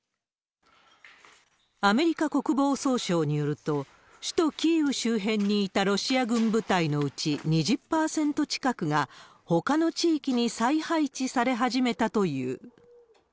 アメリカ国防総省によると、首都キーウ周辺にいたロシア軍部隊のうち２０％近くがほかの地域に再配置され始めたという。